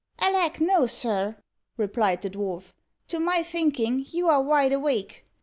"Alack, no, sir," replied the dwarf; "to my thinking, you are wide awake.